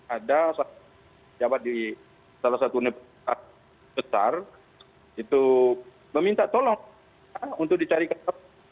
ada seorang jawab di salah satu negeri besar itu meminta tolong untuk dicarikan rumah sakit